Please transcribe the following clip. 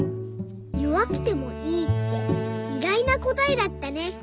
「よわくてもいい」っていがいなこたえだったね。